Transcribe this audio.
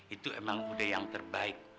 itu emang udah yang terbaik